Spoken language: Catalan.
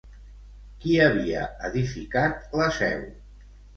Qui havia edificat la Seu?